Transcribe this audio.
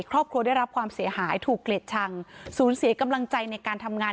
ครอบครัวได้รับความเสียหายถูกเกลียดชังสูญเสียกำลังใจในการทำงาน